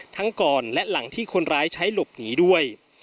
ก่อนและหลังที่คนร้ายใช้หลบหนีด้วย